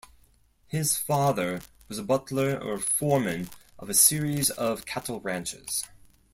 His father was a butler or foreman of a series of cattle ranches.